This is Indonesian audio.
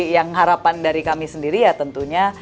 yang harapan dari kami sendiri ya tentunya